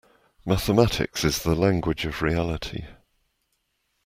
Mathematics is the language of reality.